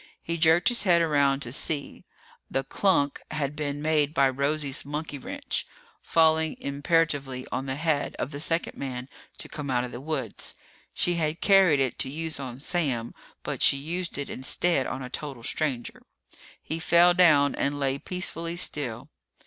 He jerked his head around to see. The klunk had been made by Rosie's monkey wrench, falling imperatively on the head of the second man to come out of the woods. She had carried it to use on Sam, but she used it instead on a total stranger. He fell down and lay peacefully still.